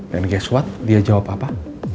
dan guess what dia jawab apa